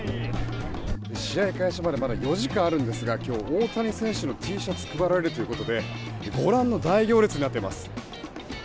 試合開始までまだ４時間あるんですが大谷選手のＴシャツが配られるということでご覧の大行列になっています。